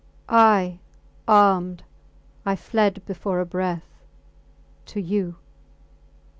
I, armed, I fled before a breath to you.